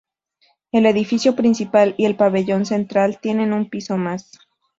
El edificio principal y el pabellón central tienen un piso más.